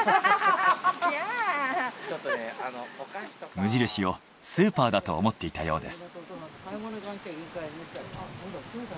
無印をスーパーだと思っていたようです。